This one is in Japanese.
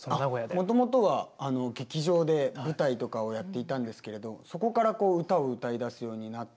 もともとが劇場で舞台とかをやっていたんですけれどそこから歌を歌いだすようになって。